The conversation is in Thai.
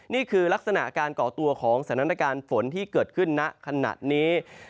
นี่คือลักษณะการก่อตัวของสถานการณ์ฝนที่เกิดขึ้นณขณะนี้